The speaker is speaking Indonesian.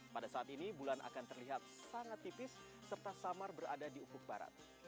pada saat ini bulan akan terlihat sangat tipis serta samar berada di upuk barat